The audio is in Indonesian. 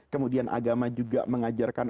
kemudian agama juga mengajarkan